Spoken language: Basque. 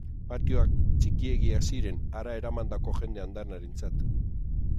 Patioak txikiegiak ziren hara eramandako jende andanarentzat.